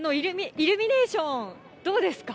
イルミネーション、どうですか？